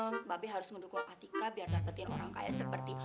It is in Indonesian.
mbak be harus ngedukung atika biar dapetin orang kaya seperti